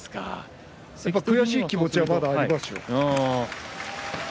悔しい気持ちはまだありますよ。